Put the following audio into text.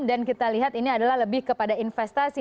dan kita lihat ini adalah lebih kepada investasi